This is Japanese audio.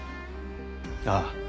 ああ。